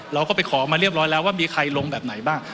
เราก็ไปขอมาเรียบร้อยแล้วว่ามีใครลงแบบไหนบ้าง